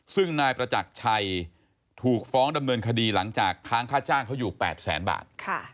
ซึ่งนายประจักรชัยถูกฟ้องดำเนินคดีหลังจากค้างค่าจ้างเขาอยู่๘แสนบาท